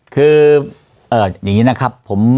คือเอ่ออย่างนี้นะครับ